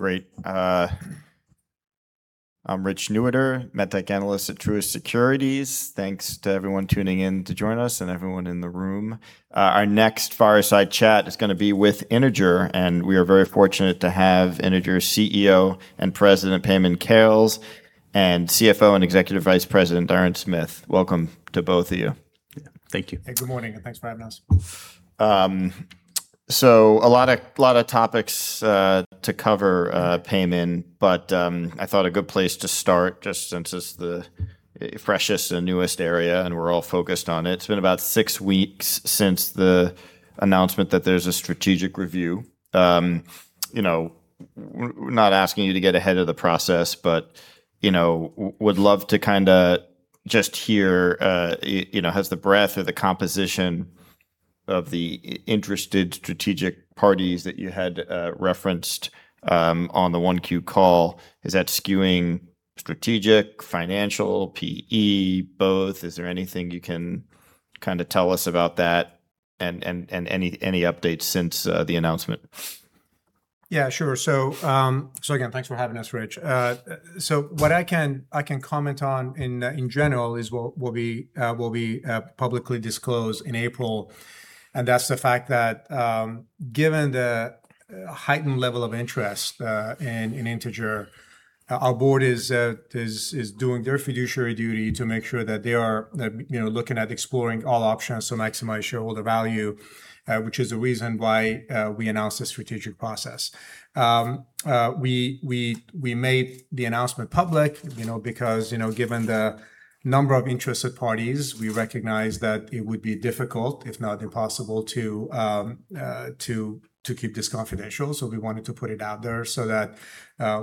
Great. I'm Rich Newitter, MedTech analyst at Truist Securities. Thanks to everyone tuning in to join us and everyone in the room. Our next fireside chat is going to be with Integer, and we are very fortunate to have Integer's CEO and President, Payman Khales, and CFO and Executive Vice President, Diron Smith. Welcome to both of you. Thank you. Hey, good morning, and thanks for having us. A lot of topics to cover, Payman, but I thought a good place to start, just since it's the freshest and newest area and we're all focused on it's been about six weeks since the announcement that there's a strategic review. We're not asking you to get ahead of the process, but would love to just hear, has the breadth or the composition of the interested strategic parties that you had referenced on the 1Q call, is that skewing strategic, financial, PE, both? Is there anything you can tell us about that and any updates since the announcement? Yeah, sure. Again, thanks for having us, Rich. What I can comment on in general is what we'll be publicly disclosed in April, and that's the fact that, given the heightened level of interest in Integer, our board is doing their fiduciary duty to make sure that they are looking at exploring all options to maximize shareholder value, which is the reason why we announced a strategic process. We made the announcement public, because given the number of interested parties, we recognized that it would be difficult, if not impossible, to keep this confidential. We wanted to put it out there so that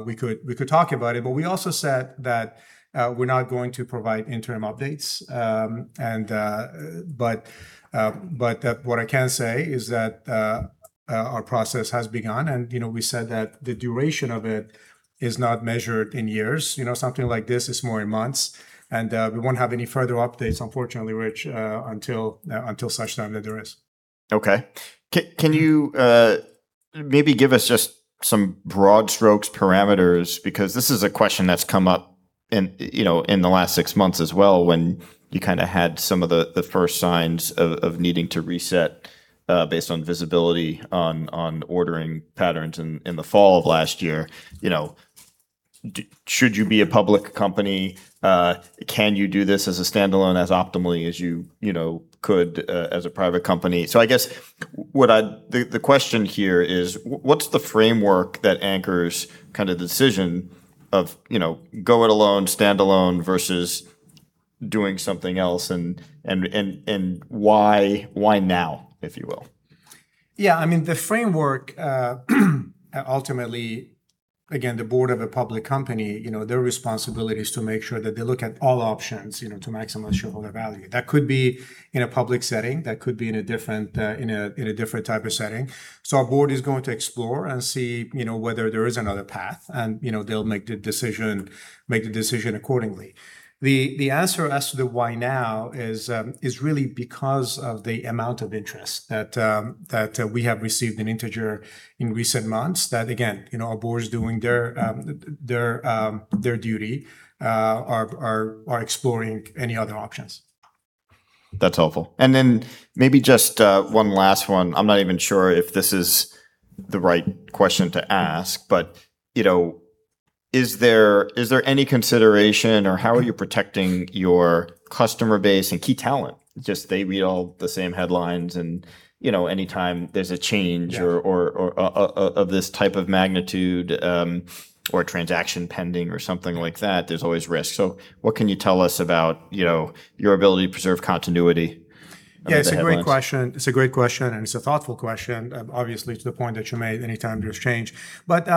we could talk about it. We also said that we're not going to provide interim updates. What I can say is that our process has begun, and we said that the duration of it is not measured in years. Something like this is more in months. We won't have any further updates, unfortunately, Rich, until such time that there is. Okay. Can you maybe give us just some broad strokes parameters, because this is a question that's come up in the last six months as well, when you had some of the first signs of needing to reset based on visibility on ordering patterns in the fall of last year. Should you be a public company? Can you do this as a standalone as optimally as you could as a private company? I guess the question here is what's the framework that anchors the decision of go it alone, standalone versus doing something else and why now, if you will? Yeah, I mean, the framework, ultimately, again, the board of a public company, their responsibility is to make sure that they look at all options to maximize shareholder value. That could be in a public setting, that could be in a different type of setting. Our board is going to explore and see whether there is another path, and they'll make the decision accordingly. The answer as to the why now is really because of the amount of interest that we have received in Integer in recent months that again, our board is doing their duty, are exploring any other options. That's helpful. Then maybe just one last one. I'm not even sure if this is the right question to ask, is there any consideration or how are you protecting your customer base and key talent? Just they read all the same headlines and any time there's a change- Yeah. Of this type of magnitude, or transaction pending or something like that, there's always risk. What can you tell us about your ability to preserve continuity- Yeah. Under the headlines? It's a great question, and it's a thoughtful question, obviously to the point that you made any time there's change. Let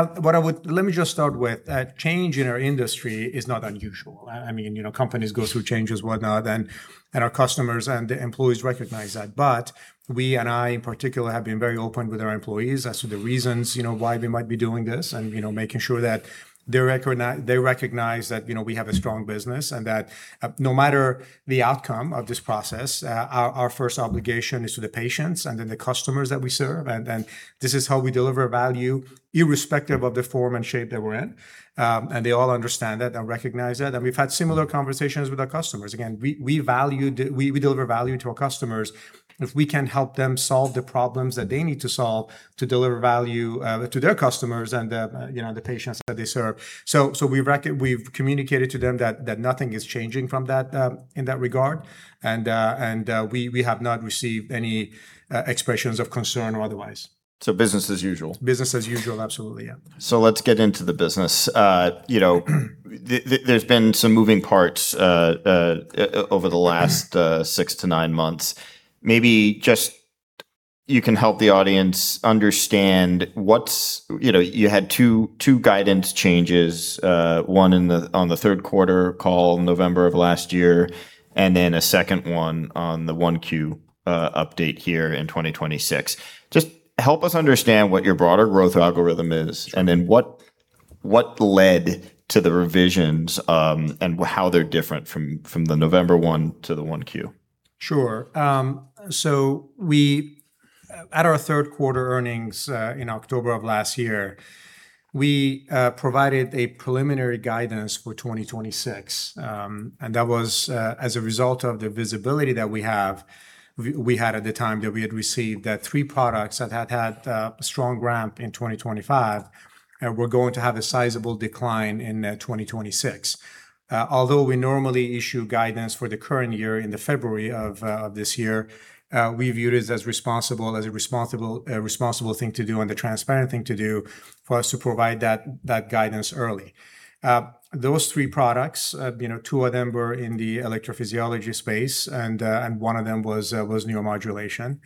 me just start with change in our industry is not unusual. Companies go through changes, whatnot, and our customers and employees recognize that. We, and I in particular, have been very open with our employees as to the reasons why we might be doing this and making sure that they recognize that we have a strong business and that no matter the outcome of this process, our first obligation is to the patients and then the customers that we serve. This is how we deliver value irrespective of the form and shape that we're in. They all understand that and recognize that. We've had similar conversations with our customers. Again, we deliver value to our customers if we can help them solve the problems that they need to solve to deliver value to their customers and the patients that they serve. We've communicated to them that nothing is changing from that in that regard, and we have not received any expressions of concern or otherwise. Business as usual. Business as usual, absolutely. Yeah. Let's get into the business. There's been some moving parts over the last six to nine months. Maybe just you can help the audience understand you had two guidance changes, one on the third quarter call November of last year, and then a second one on the 1Q update here in 2026. Just help us understand what your broader growth algorithm is, and then what led to the revisions and how they're different from the November 1 to the 1Q. Sure. At our third quarter earnings in October of last year, we provided a preliminary guidance for 2026. That was as a result of the visibility that we had at the time that we had received that three products that had a strong ramp in 2025, were going to have a sizable decline in 2026. Although we normally issue guidance for the current year in the February of this year, we viewed it as a responsible thing to do and the transparent thing to do for us to provide that guidance early. Those three products, two of them were in the electrophysiology space and one of them was neuromodulation.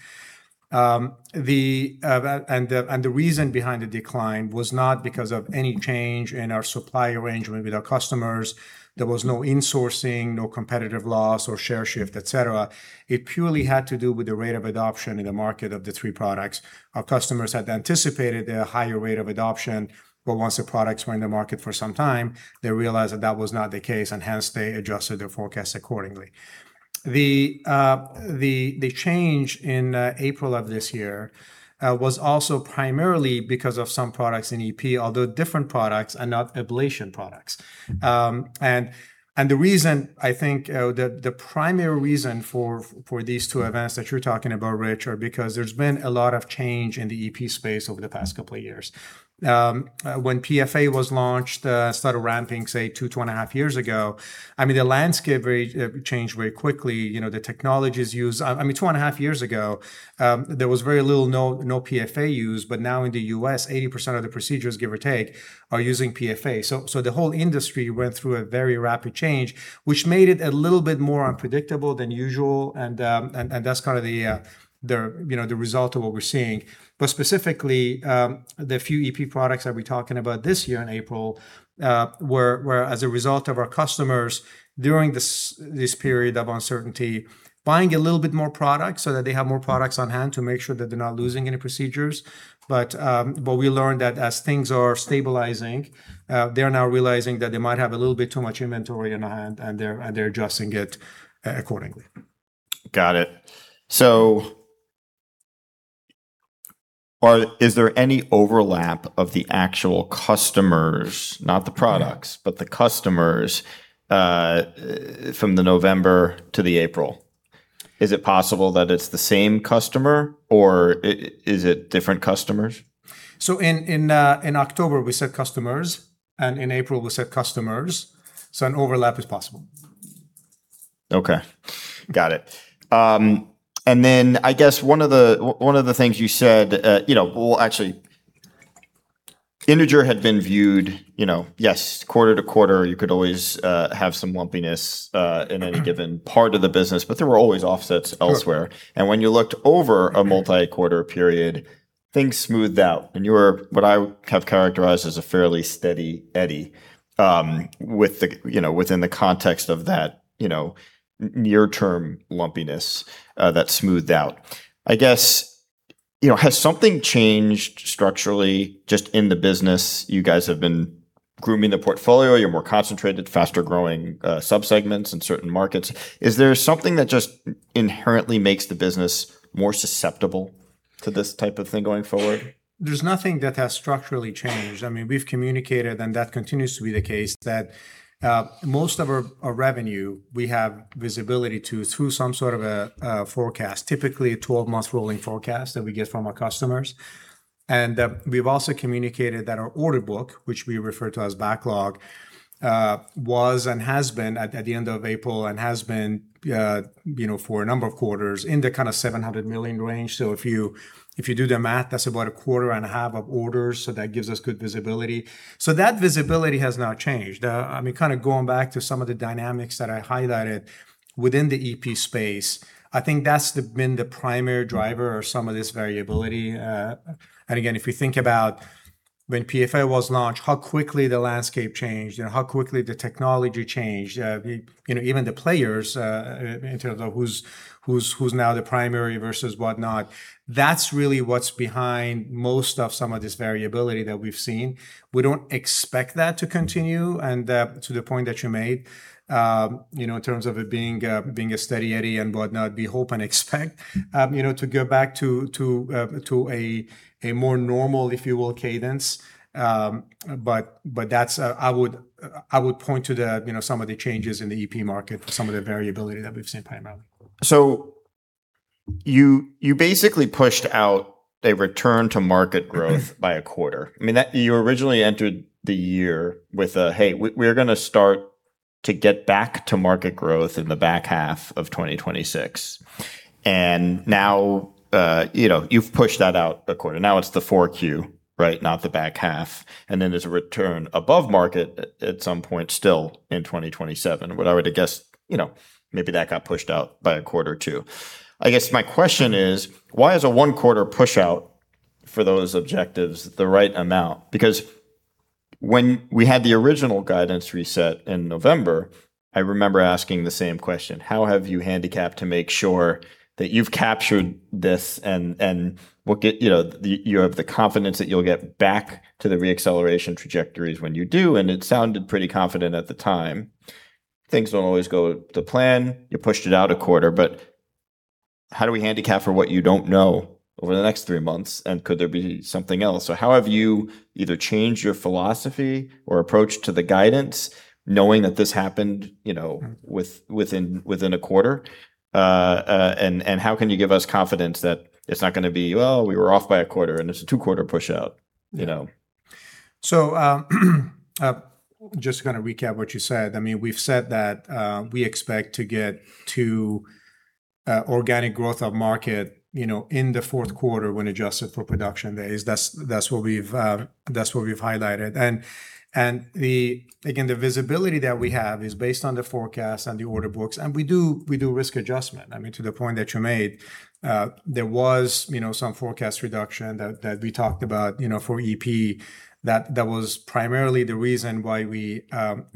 The reason behind the decline was not because of any change in our supply arrangement with our customers. There was no insourcing, no competitive loss or share shift, et cetera. It purely had to do with the rate of adoption in the market of the three products. Our customers had anticipated a higher rate of adoption, but once the products were in the market for some time, they realized that that was not the case and hence they adjusted their forecast accordingly. The change in April of this year was also primarily because of some products in EP, although different products and not ablation products. The primary reason for these two events that you're talking about, Rich, are because there's been a lot of change in the EP space over the past couple of years. When PFA was launched, started ramping, say, two and a half years ago, the landscape changed very quickly. The technologies used. Two and a half years ago, there was very little, no PFA used, but now in the U.S., 80% of the procedures, give or take, are using PFA. The whole industry went through a very rapid change, which made it a little bit more unpredictable than usual and that's kind of the result of what we're seeing. Specifically, the few EP products that we're talking about this year in April, were as a result of our customers during this period of uncertainty, buying a little bit more product so that they have more products on hand to make sure that they're not losing any procedures. We learned that as things are stabilizing, they're now realizing that they might have a little bit too much inventory in hand, and they're adjusting it accordingly. Got it. Is there any overlap of the actual customers, not the products, but the customers, from the November to the April? Is it possible that it's the same customer, or is it different customers? In October, we said customers, and in April we said customers, so an overlap is possible. Okay. Got it. Then I guess one of the things you said, well, actually, Integer had been viewed, yes, quarter-to-quarter, you could always have some lumpiness in any given part of the business, but there were always offsets elsewhere. Sure. When you looked over a multi-quarter period, things smoothed out, and you were what I have characterized as a fairly steady eddy within the context of that near-term lumpiness, that smoothed out. I guess, has something changed structurally just in the business? You guys have been grooming the portfolio, you're more concentrated, faster-growing subsegments in certain markets. Is there something that just inherently makes the business more susceptible to this type of thing going forward? There's nothing that has structurally changed. We've communicated, and that continues to be the case that most of our revenue, we have visibility to through some sort of a forecast, typically a 12-month rolling forecast that we get from our customers. We've also communicated that our order book, which we refer to as backlog, was and has been at the end of April and has been for a number of quarters in the kind of $700 million range. If you do the math, that's about 1/4 and 1/2 of orders, that gives us good visibility. That visibility has not changed. Going back to some of the dynamics that I highlighted within the EP space, I think that's been the primary driver of some of this variability. Again, if you think about when PFA was launched, how quickly the landscape changed and how quickly the technology changed, even the players, in terms of who's now the primary versus whatnot, that's really what's behind most of some of this variability that we've seen. We don't expect that to continue. To the point that you made, in terms of it being a steady eddy and whatnot, we hope and expect to go back to a more normal, if you will, cadence. I would point to some of the changes in the EP market for some of the variability that we've seen primarily. You basically pushed out a return to market growth by a quarter. You originally entered the year with a, "Hey, we're going to start to get back to market growth in the back 1/2 of 2026." Now, you've pushed that out a quarter. Now it's the 4Q, right, not the back 1/2. Then there's a return above market at some point still in 2027. What I would guess, maybe that got pushed out by 1/4 too. I guess my question is, why is a 1/4 pushout for those objectives the right amount? Because when we had the original guidance reset in November, I remember asking the same question. How have you handicapped to make sure that you've captured this and you have the confidence that you'll get back to the reacceleration trajectories when you do, and it sounded pretty confident at the time. Things don't always go to plan. You pushed it out 1/4, How do we handicap for what you don't know over the next three months, and could there be something else? How have you either changed your philosophy or approach to the guidance knowing that this happened within a 1/4? How can you give us confidence that it's not going to be, "Well, we were off by a 1/4, and it's a 2/4 push out? Just going to recap what you said. We've said that we expect to get to organic growth of market in the fourth quarter when adjusted for production days. That's what we've highlighted. Again, the visibility that we have is based on the forecast and the order books, and we do risk adjustment. To the point that you made, there was some forecast reduction that we talked about for EP that was primarily the reason why we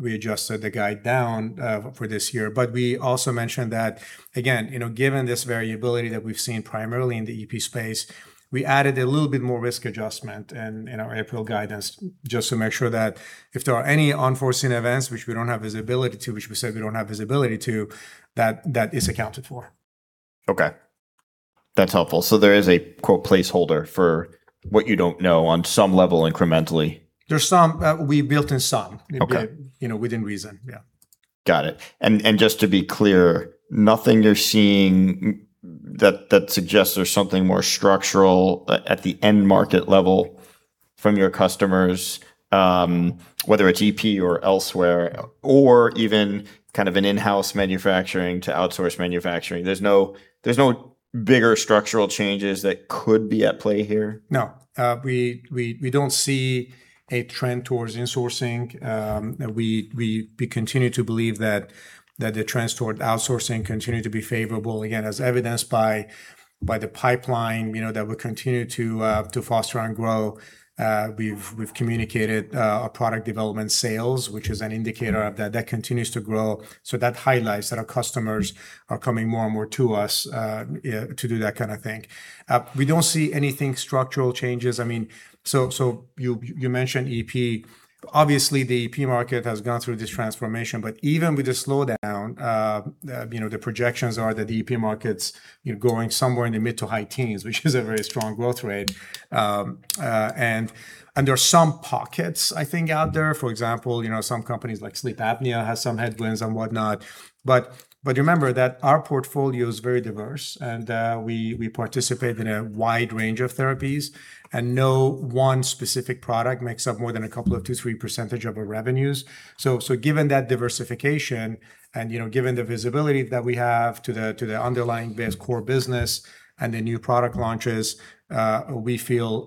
adjusted the guide down for this year. We also mentioned that, again, given this variability that we've seen primarily in the EP space, we added a little bit more risk adjustment in our April guidance just to make sure that if there are any unforeseen events which we don't have visibility to, which we said we don't have visibility to, that is accounted for. Okay. That's helpful. There is a, quote, "placeholder" for what you don't know on some level incrementally. There's some. Okay. Within reason, yeah. Got it. Just to be clear, nothing you're seeing that suggests there's something more structural at the end market level from your customers, whether it's EP or elsewhere, or even kind of an in-house manufacturing to outsourced manufacturing. There's no bigger structural changes that could be at play here? No. We don't see a trend towards insourcing. We continue to believe that the trends toward outsourcing continue to be favorable, again, as evidenced by the pipeline that we continue to foster and grow. We've communicated our product development sales, which is an indicator of that continues to grow. That highlights that our customers are coming more and more to us to do that kind of thing. We don't see any structural changes. You mentioned EP. Obviously, the EP market has gone through this transformation, but even with the slowdown, the projections are that the EP market's growing somewhere in the mid to high teens, which is a very strong growth rate. There are some pockets, I think, out there. For example, some companies like sleep apnea has some headwinds and whatnot. Remember that our portfolio is very diverse, and we participate in a wide range of therapies, and no one specific product makes up more than a couple of 2%, 3% of our revenues. Given that diversification and given the visibility that we have to the underlying base core business and the new product launches, we feel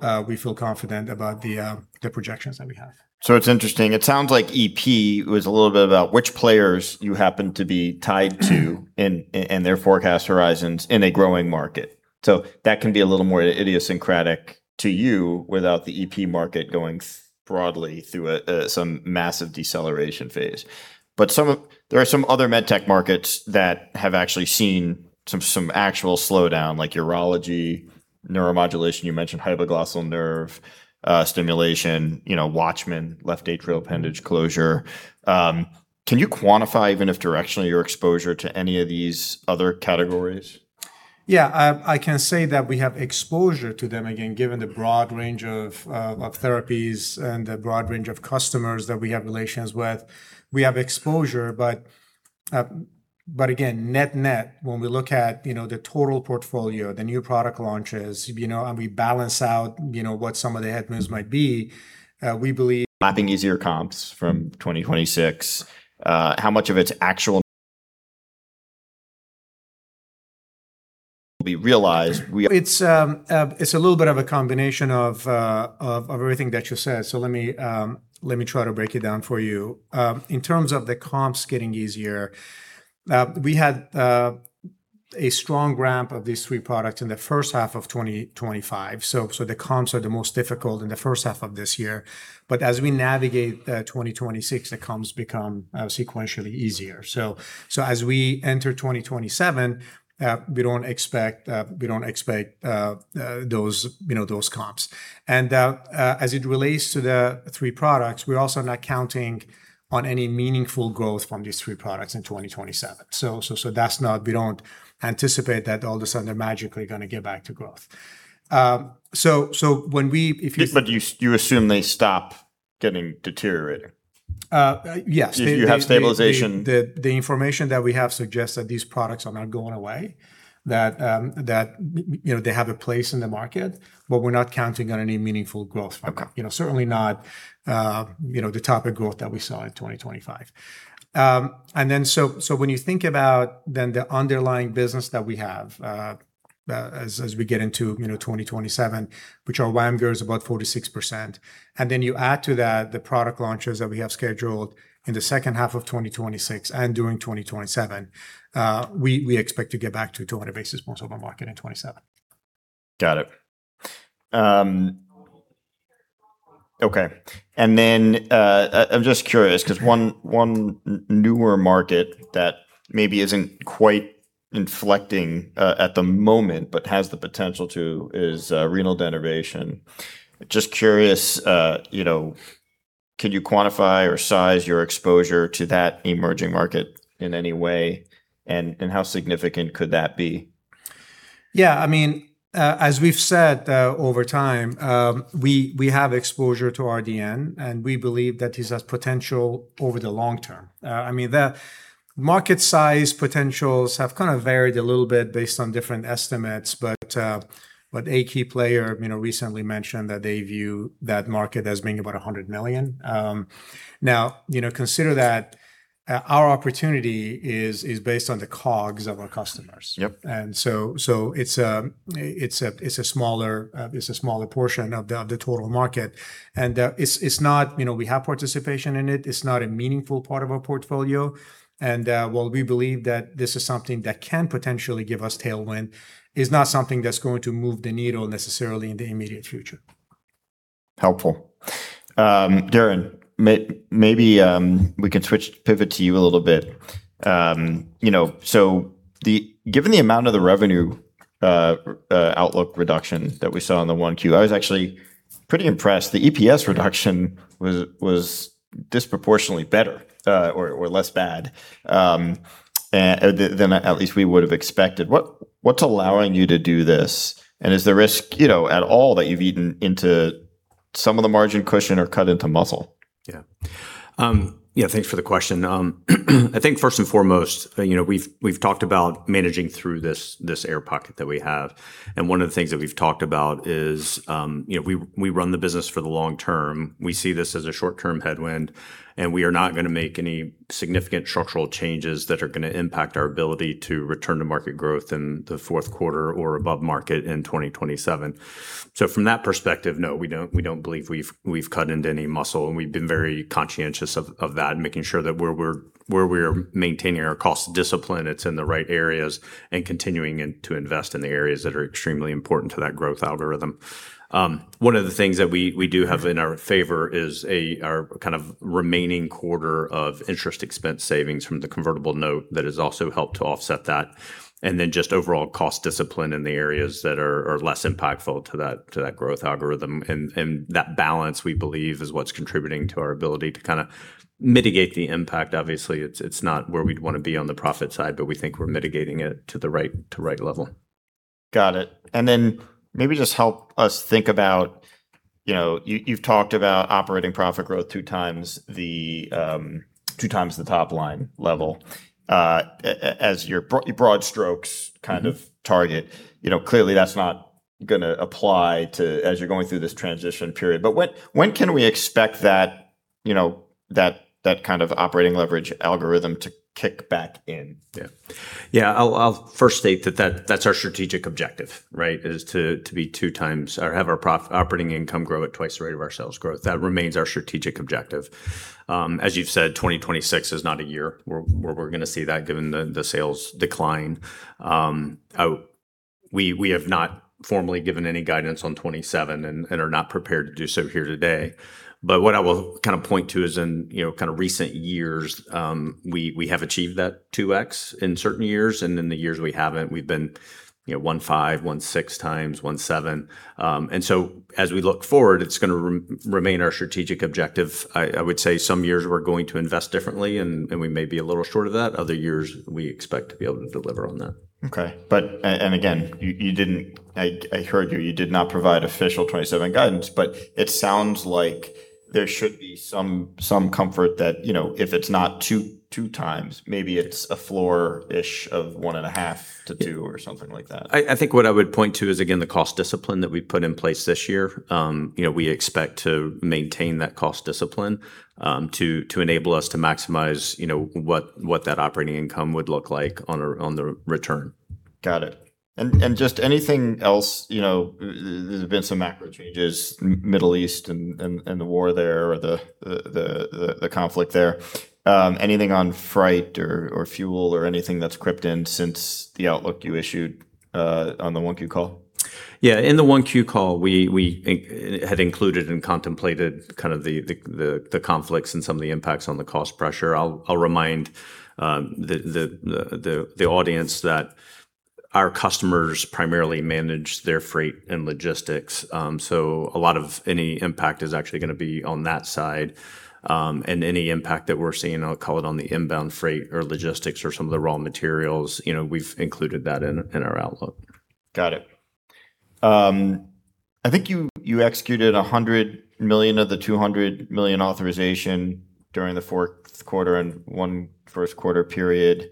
confident about the projections that we have. It's interesting. It sounds like EP was a little bit about which players you happen to be tied to and their forecast horizons in a growing market. That can be a little more idiosyncratic to you without the EP market going broadly through some massive deceleration phase. There are some other MedTech markets that have actually seen some actual slowdown, like urology, neuromodulation, you mentioned hypoglossal nerve stimulation, WATCHMAN, left atrial appendage closure. Can you quantify, even if directionally, your exposure to any of these other categories? I can say that we have exposure to them, again, given the broad range of therapies and the broad range of customers that we have relations with. We have exposure, again, net-net, when we look at the total portfolio, the new product launches, and we balance out what some of the headwinds might be, we believe- Mapping easier comps from 2026. How much of it's actual will be realized. We are- It's a little bit of a combination of everything that you said. Let me try to break it down for you. In terms of the comps getting easier, we had a strong ramp of these three products in the H1 of 2025. The comps are the most difficult in the H1 of this year. As we navigate 2026, the comps become sequentially easier. As we enter 2027, we don't expect those comps. As it relates to the three products, we're also not counting on any meaningful growth from these three products in 2027. We don't anticipate that all of a sudden they're magically going to get back to growth. You assume they stop getting deteriorating. Yes. You have stabilization. The information that we have suggests that these products are not going away, that they have a place in the market, but we're not counting on any meaningful growth from them. Okay. Certainly not the type of growth that we saw in 2025. When you think about the underlying business that we have as we get into 2027, which our WAM growth is about 46%, you add to that the product launches that we have scheduled in the H2 of 2026 and during 2027, we expect to get back to 200 basis points over market in 2027. Got it. Okay. I'm just curious because one newer market that maybe isn't quite inflecting at the moment, but has the potential to, is renal denervation. Just curious. Can you quantify or size your exposure to that emerging market in any way? How significant could that be? Yeah. As we've said over time, we have exposure to RDN, and we believe that this has potential over the long term. The market size potentials have kind of varied a little bit based on different estimates, but a key player recently mentioned that they view that market as being about $100 million. Consider that our opportunity is based on the COGS of our customers. Yep. It's a smaller portion of the total market. We have participation in it. It's not a meaningful part of our portfolio. While we believe that this is something that can potentially give us tailwind, it's not something that's going to move the needle necessarily in the immediate future. Helpful. Diron, maybe we can pivot to you a little bit. Given the amount of the revenue outlook reduction that we saw on the 1Q, I was actually pretty impressed. The EPS reduction was disproportionately better or less bad than at least we would have expected. What's allowing you to do this? Is the risk at all that you've eaten into some of the margin cushion or cut into muscle? Yeah. Thanks for the question. I think first and foremost, we've talked about managing through this air pocket that we have. One of the things that we've talked about is, we run the business for the long term. We see this as a short-term headwind. We are not going to make any significant structural changes that are going to impact our ability to return to market growth in the fourth quarter or above market in 2027. From that perspective, no, we don't believe we've cut into any muscle. We've been very conscientious of that and making sure that where we're maintaining our cost discipline, it's in the right areas and continuing to invest in the areas that are extremely important to that growth algorithm. One of the things that we do have in our favor is our remaining quarter of interest expense savings from the convertible note that has also helped to offset that. Then just overall cost discipline in the areas that are less impactful to that growth algorithm. That balance, we believe, is what's contributing to our ability to mitigate the impact. Obviously, it's not where we'd want to be on the profit side, we think we're mitigating it to the right level. Got it. Then maybe just help us think about, you've talked about operating profit growth 2x the top line level as your broad strokes kind of target. Clearly, that's not going to apply as you're going through this transition period. When can we expect that kind of operating leverage algorithm to kick back in? Yeah. I'll first state that that's our strategic objective, is to have our operating income grow at twice the rate of our sales growth. That remains our strategic objective. As you've said, 2026 is not a year where we're going to see that given the sales decline. We have not formally given any guidance on 2027 and are not prepared to do so here today. What I will point to is in recent years, we have achieved that 2X in certain years, and in the years we haven't, we've been 1.5, 1.6x, 1.7. As we look forward, it's going to remain our strategic objective. I would say some years we're going to invest differently, and we may be a little short of that. Other years, we expect to be able to deliver on that. Okay. Again, I heard you did not provide official 2027 guidance, but it sounds like there should be some comfort that if it's not 2x, maybe it's a floor-ish of 1.5-2x or something like that. I think what I would point to is, again, the cost discipline that we've put in place this year. We expect to maintain that cost discipline to enable us to maximize what that operating income would look like on the return. Got it. Just anything else, there's been some macro changes, Middle East and the war there, or the conflict there. Anything on freight or fuel or anything that's crept in since the outlook you issued on the 1Q call? Yeah. In the 1Q call, we had included and contemplated the conflicts and some of the impacts on the cost pressure. I'll remind the audience that our customers primarily manage their freight and logistics. A lot of any impact is actually going to be on that side. Any impact that we're seeing, I'll call it on the inbound freight or logistics or some of the raw materials, we've included that in our outlook. Got it. I think you executed $100 million of the $200 million authorization during the fourth quarter and one first quarter period.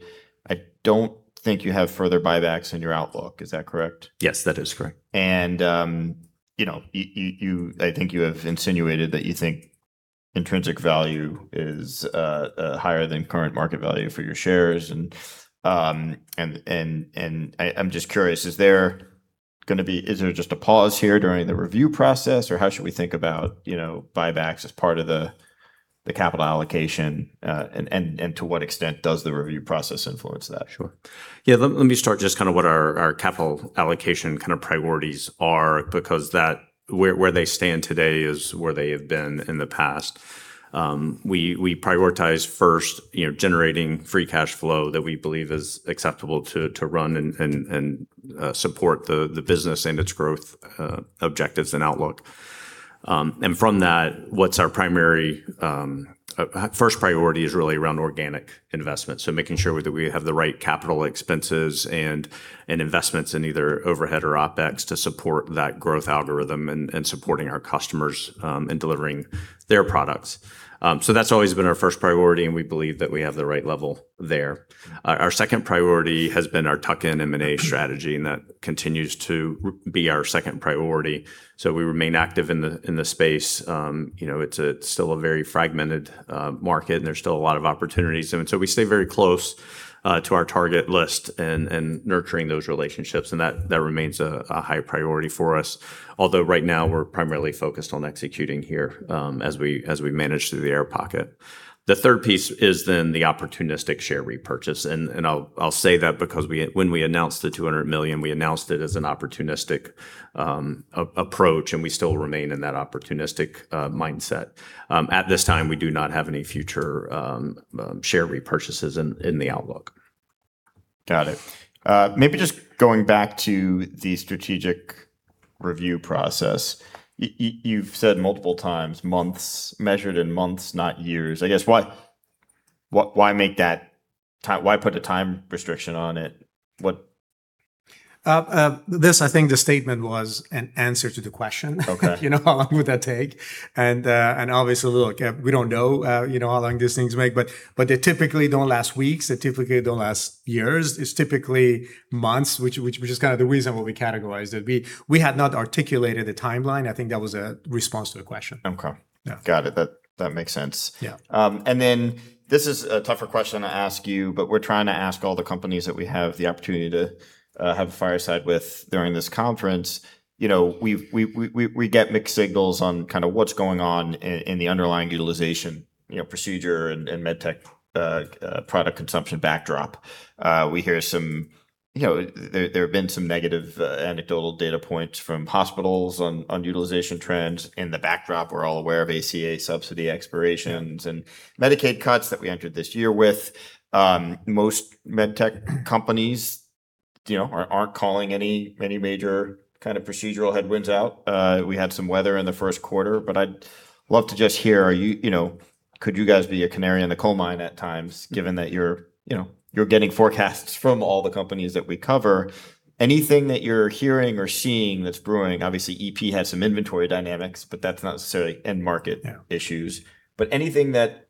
I don't think you have further buybacks in your outlook. Is that correct? Yes, that is correct. I think you have insinuated that you think intrinsic value is higher than current market value for your shares. I'm just curious, is there just a pause here during the review process, or how should we think about buybacks as part of the capital allocation? To what extent does the review process influence that? Sure. Yeah, let me start just what our capital allocation priorities are, because where they stand today is where they have been in the past. We prioritize first generating free cash flow that we believe is acceptable to run and support the business and its growth objectives and outlook. From that, our first priority is really around organic investment, so making sure that we have the right capital expenses and investments in either overhead or OpEx to support that growth algorithm and supporting our customers in delivering their products. That's always been our first priority, and we believe that we have the right level there. Our second priority has been our tuck-in M&A strategy, and that continues to be our second priority. We remain active in the space. It's still a very fragmented market, and there's still a lot of opportunities. We stay very close to our target list and nurturing those relationships, and that remains a high priority for us. Although right now we're primarily focused on executing here as we manage through the air pocket. The third piece is the opportunistic share repurchase. I'll say that because when we announced the $200 million, we announced it as an opportunistic approach, and we still remain in that opportunistic mindset. At this time, we do not have any future share repurchases in the outlook. Got it. Maybe just going back to the strategic review process. You've said multiple times, measured in months, not years. I guess, why put a time restriction on it? What- I think the statement was an answer to the question. Okay. How long would that take? Obviously, look, we don't know how long these things make, but they typically don't last weeks. They typically don't last years. It's typically months, which is kind of the reason why we categorized it. We had not articulated a timeline. I think that was a response to the question. Okay. Yeah. Got it. That makes sense. Yeah. This is a tougher question to ask you, but we're trying to ask all the companies that we have the opportunity to have a fireside with during this conference. We get mixed signals on what's going on in the underlying utilization procedure and med tech product consumption backdrop. There have been some negative anecdotal data points from hospitals on utilization trends. In the backdrop, we're all aware of ACA subsidy expirations and Medicaid cuts that we entered this year with. Most MedTech companies aren't calling any major kind of procedural headwinds out. We had some weather in the first quarter, but I'd love to just hear, could you guys be a canary in the coal mine at times, given that you're getting forecasts from all the companies that we cover? Anything that you're hearing or seeing that's brewing, obviously, EP had some inventory dynamics, but that's not necessarily end market issues. Yeah. Anything that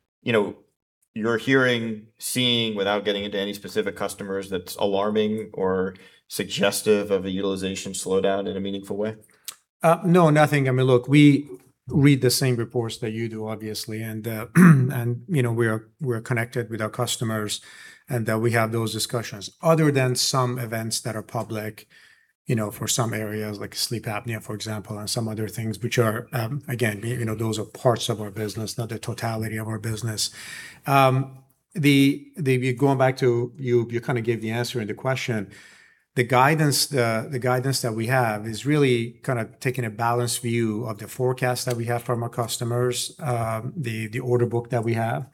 you're hearing, seeing, without getting into any specific customers, that's alarming or suggestive of a utilization slowdown in a meaningful way? No, nothing. Look, we read the same reports that you do, obviously, and we're connected with our customers, and that we have those discussions. Other than some events that are public, for some areas, like sleep apnea, for example, and some other things, which are, again, those are parts of our business, not the totality of our business. Going back to you kind of gave the answer in the question. The guidance that we have is really taking a balanced view of the forecast that we have from our customers, the order book that we have,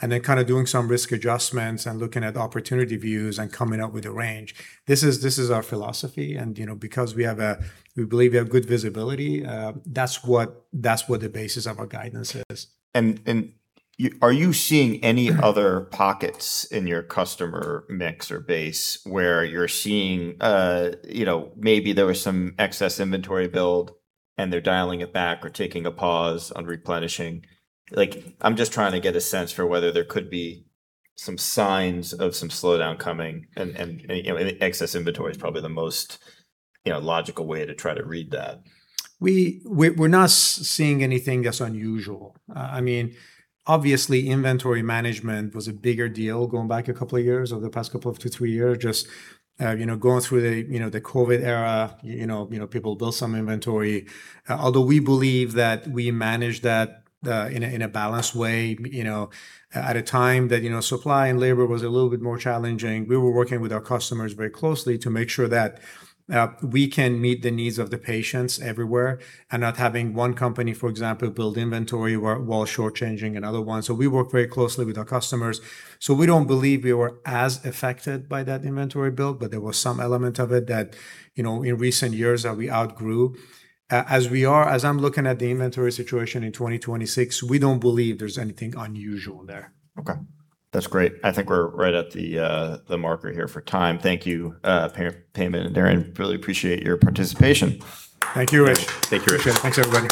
and then doing some risk adjustments and looking at opportunity views and coming up with a range. This is our philosophy and because we believe we have good visibility, that's what the basis of our guidance is. Are you seeing any other pockets in your customer mix or base where you're seeing maybe there was some excess inventory build and they're dialing it back or taking a pause on replenishing? I'm just trying to get a sense for whether there could be some signs of some slowdown coming and excess inventory is probably the most logical way to try to read that. We're not seeing anything that's unusual. Obviously, inventory management was a bigger deal going back a couple of years, over the past couple of to three years, just going through the COVID era, people built some inventory. Although we believe that we managed that in a balanced way, at a time that supply and labor was a little bit more challenging. We were working with our customers very closely to make sure that we can meet the needs of the patients everywhere and not having one company, for example, build inventory while short-changing another one. We work very closely with our customers. We don't believe we were as affected by that inventory build, but there was some element of it that in recent years that we outgrew. As I'm looking at the inventory situation in 2026, we don't believe there's anything unusual there. Okay. That's great. I think we're right at the marker here for time. Thank you, Payman and Diron. Really appreciate your participation. Thank you, Rich. Thank you, Rich. Appreciate it. Thanks, everybody.